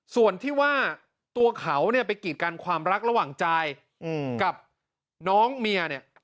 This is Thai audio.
ส่วนที่ว่าตัวเขาเนี่ยไปกีดกันความรักระหว่างจายกับน้องเมียเนี่ย